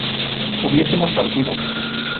hubiésemos partido